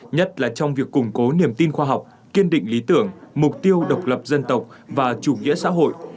nhất là trong việc củng cố niềm tin khoa học kiên định lý tưởng mục tiêu độc lập dân tộc và chủ nghĩa xã hội